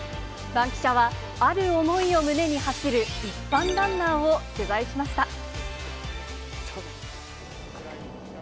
バンキシャは、ある思いを胸に走る一般ランナーを取材しました。